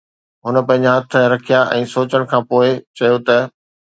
هن پنهنجا هٿ رکيا ۽ سوچڻ کان پوءِ چيو.